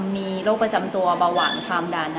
มีโรคประจำตัวเบาหวานความดัน